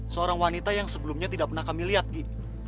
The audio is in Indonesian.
seorang wanita yang sebelumnya tidak pernah kami lihat gini